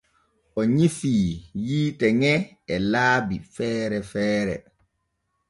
O nyifii yiite ŋe e laabi feere feere.